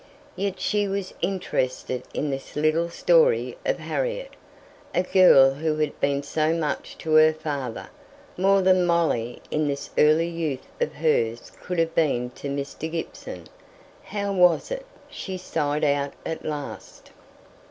Yet she was interested in this little story of Harriet a girl who had been so much to her father, more than Molly in this early youth of hers could have been to Mr. Gibson. "How was it?" she sighed out at last.